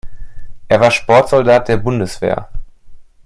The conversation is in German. Er war Sportsoldat der Bundeswehr.